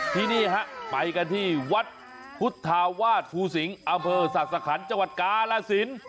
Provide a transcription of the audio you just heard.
ที่นี่ไปกันที่วัดพุทธาวาสภูสิงค์อำเภอศักดิ์สะขันจังหวัดกาลาศิลป์